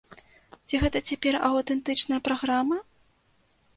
Ці гэта цяпер аўтэнтычная праграма?